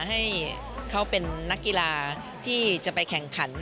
ให้เขาเป็นนักกีฬาที่จะไปแข่งขัน